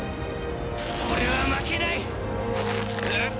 俺は負けない！